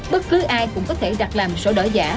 bất cứ ai cũng có thể đặt làm sổ đỏ giả